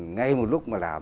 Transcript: ngay một lúc mà làm